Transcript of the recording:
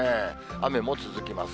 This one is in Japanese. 雨も続きます。